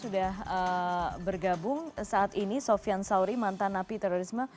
sudah bergabung saat ini sofyan sauri mantan api terorisme